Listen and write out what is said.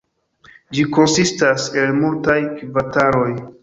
Ĝi konsistas el multaj kvartaloj.